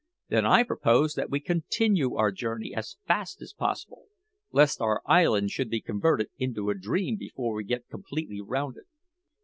Then I propose that we continue our journey as fast as possible, lest our island should be converted into a dream before we get completely round it."